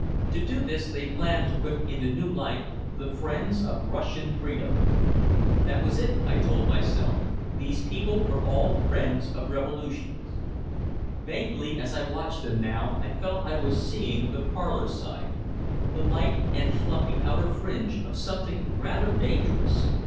To do this they planned to whip into new life "The Friends of Russian Freedom." That was it, I told myself, these people were all friends of revolutions. Vaguely as I watched them now I felt I was seeing the parlor side, the light and fluffy outer fringe, of something rather dangerous.